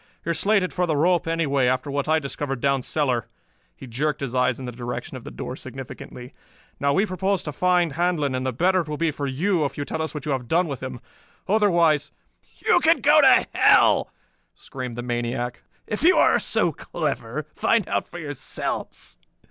"You are slated for the rope anyway, after what I discovered down cellar." He jerked his eyes in the direction of the door significantly. "Now we propose to find Handlon, and the better it will be for you if you tell us what you have done with him. Otherwise...." "You can go to hell!" screamed the maniac. "If you are so clever, find out for yourselves.